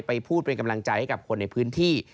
พูดเป็นกำลังใจให้กับคนในพื้นที่